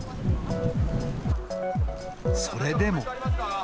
それでも。